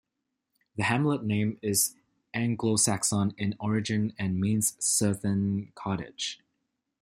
The hamlet name is Anglo Saxon in origin and means 'southern cottage'.